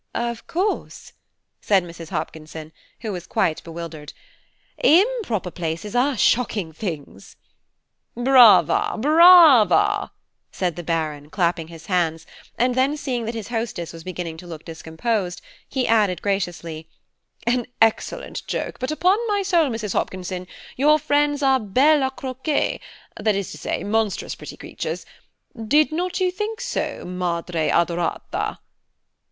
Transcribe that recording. "Of course," said Mrs. Hopkinson, who was quite bewildered, "improper places are shocking things." "Brava! brava!" said the Baron, clapping his hands, and then seeing that his hostess was beginning to look discomposed, he added graciously, "An excellent joke, but upon my soul, Mrs. Hopkinson, your friend are belles à croquer, that is to say, monstrous pretty creatures. Did not you think so, madre adorata?